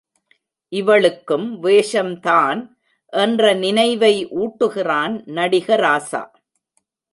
இவளுக்கும் வேஷம் தான்!... என்ற நினைவை ஊட்டுகிறான் நடிக ராசா.